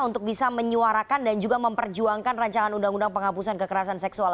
untuk bisa menyuarakan dan juga memperjuangkan rancangan undang undang penghapusan kekerasan seksual